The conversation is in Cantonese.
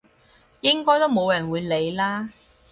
應該都冇人會理啦！